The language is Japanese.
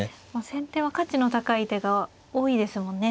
先手は価値の高い手が多いですもんね。